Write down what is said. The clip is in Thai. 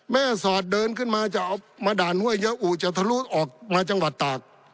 สอดเดินขึ้นมาจะเอามาด่านห้วยเยอะอุจะทะลุออกมาจังหวัดตาก